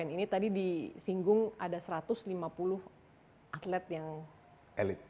ini tadi disinggung ada satu ratus lima puluh atlet yang elit